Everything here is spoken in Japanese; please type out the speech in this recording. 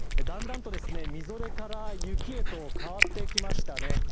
だんだんとみぞれから雪へと変わってきましたね。